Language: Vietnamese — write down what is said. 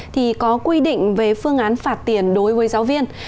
thì có quy định về phương án phạt tiền đối với giáo viên